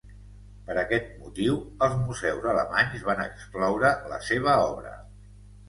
Per aquest motiu els museus alemanys van excloure la seva obra.